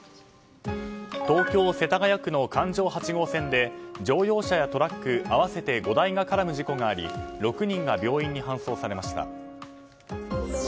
東京・世田谷区の環状８号線で乗用車やトラック合わせて５台が絡む事故があり６人が病院に搬送されました。